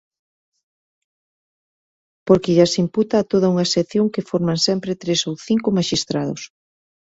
Porque llas imputa a toda unha sección que forman sempre tres ou cinco maxistrados.